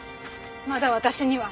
まだ私には。